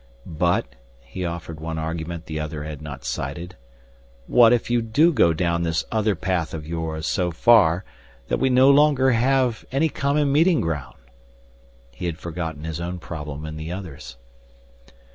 "But," he offered one argument the other had not cited, "what if you do go down this other path of yours so far that we no longer have any common meeting ground?" He had forgotten his own problem in the other's.